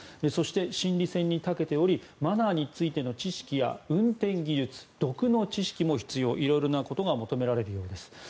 そして、心理戦に長けておりマナーについての知識や運転技術、毒の知識も必要色々なことが求められるようです。